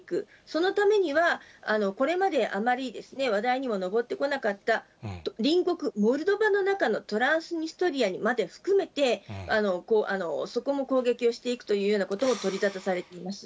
そのためには、これまであまり話題にも上ってこなかった隣国、モルドバの中のトランスミストリアにまで含めて、そこも攻撃をしていくというようなことも取り沙汰されています。